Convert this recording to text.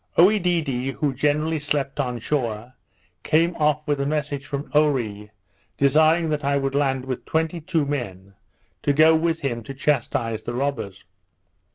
Oedidee, who generally slept on shore, came off with a message from Oree, desiring I would land with twenty two men, to go with him to chastise the robbers.